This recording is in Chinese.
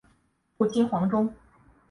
父亲黄中。